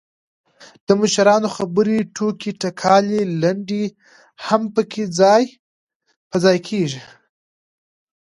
دمشرانو خبرې، ټوکې ټکالې، لنډۍ هم پکې ځاى په ځاى کړي.